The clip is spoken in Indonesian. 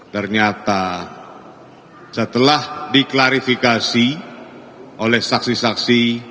ternyata setelah diklarifikasi oleh saksi saksi